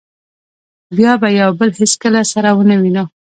بیا به یو بل هېڅکله سره و نه وینو.